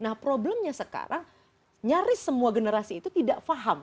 nah problemnya sekarang nyaris semua generasi itu tidak paham